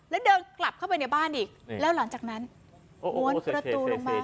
แล้วเดินกลับเข้าไปในบ้านอีกแล้วหลังจากนั้นม้วนประตูลงมา